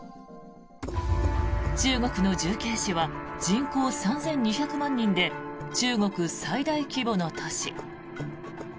中国の重慶市は人口３２００万人で中国最大規模の都市。